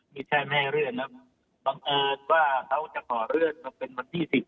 ไม่ใช่ไม่ให้เลื่อนนะบังเอิญว่าเขาจะขอเลื่อนมาเป็นวันที่สิบ